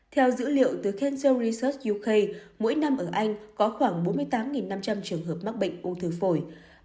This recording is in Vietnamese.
theo dữ liệu từ cancer research uk mỗi năm ở anh có khoảng bốn mươi tám năm trăm linh trường hợp mắc bệnh ung thư phổi